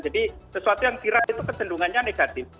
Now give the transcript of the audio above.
jadi sesuatu yang viral itu kecenderungannya negatif